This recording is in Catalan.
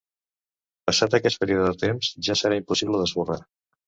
Passat aquest període de temps ja serà impossible d’esborrar.